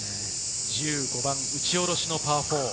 １５番、打ち下ろしのパー４。